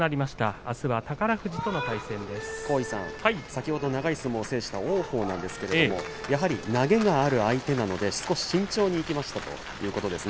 先ほど長い相撲を制した王鵬なんですがやはり投げがある相手なので少し慎重にいきましたということです。